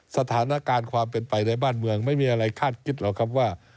สถานการณ์ความเป็นไปในบ้านเมืองไม่มีอะไรคาดคิดหรอกครับว่า